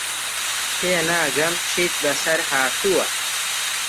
تێناگەم چیت بەسەر هاتووە.